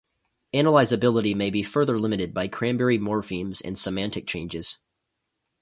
Analyzability may be further limited by cranberry morphemes and semantic changes.